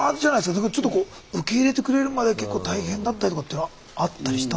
だから受け入れてくれるまで結構大変だったりとかっていうのはあったりしたんですか。